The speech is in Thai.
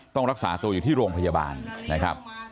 ต้องรักษาตัวอยู่ที่โรงพยาบาลนะครับ